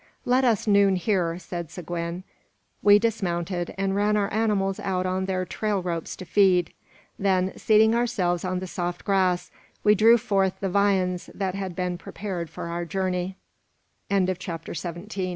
"Let us noon here," said Seguin. We dismounted, and ran our animals out on their trail ropes to feed. Then seating ourselves on the soft grass, we drew forth the viands that had been prepared for our journey. CHAPTER EIGHTEEN. GEOGRAPHY AND GEOLOGY.